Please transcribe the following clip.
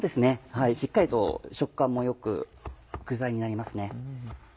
しっかりと食感も良く具材になりますね。